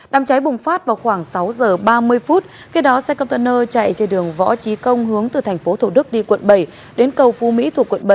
đám cháy bùng phát vào khoảng sáu giờ ba mươi phút khi đó xe container chạy trên đường võ trí công hướng từ tp thổ đức đi quận bảy đến cầu phú mỹ thuộc quận bảy